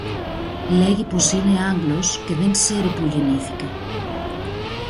Λέγει πως είναι Άγγλος και δεν ξέρει πού γεννήθηκε